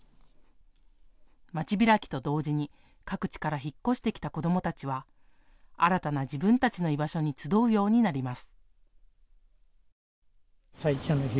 街開きと同時に各地から引っ越してきた子どもたちは新たな自分たちの居場所に集うようになります。